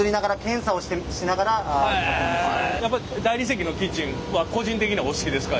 やっぱり大理石のキッチンは個人的にはお好きですか？